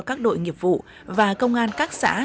các đội nghiệp vụ và công an các xã